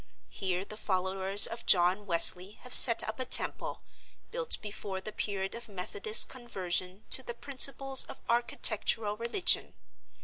Here the followers of John Wesley have set up a temple, built before the period of Methodist conversion to the principles of architectural religion.